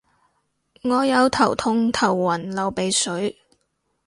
我有頭痛頭暈流鼻水